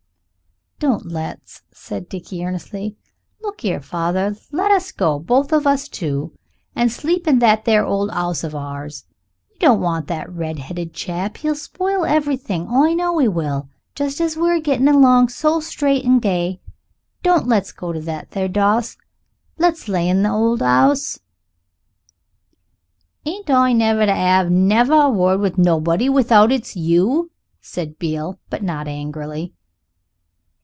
"Don't let's," said Dickie earnestly. "Look 'ere, father, let us go, both two of us, and sleep in that there old 'ouse of ours. I don't want that red'eaded chap. He'll spoil everything I know 'e will, just as we're a gettin' along so straight and gay. Don't let's go to that there doss; let's lay in the old 'ouse." "Ain't I never to 'ave never a word with nobody without it's you?" said Beale, but not angrily.